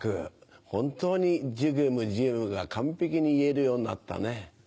本当に「寿限無寿限無」が完璧に言えるようになったね。